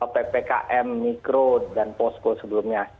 ppkm mikro dan posko sebelumnya